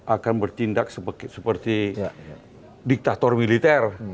akan bertindak seperti diktator militer